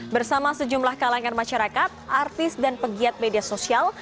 bersama sejumlah kalangan masyarakat artis dan pegiat media sosial